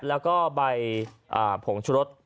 แล้วก็ใบผงชุรส